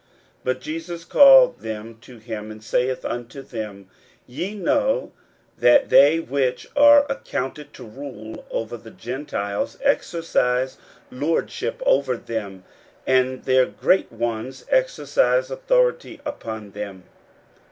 41:010:042 But Jesus called them to him, and saith unto them, Ye know that they which are accounted to rule over the Gentiles exercise lordship over them; and their great ones exercise authority upon them.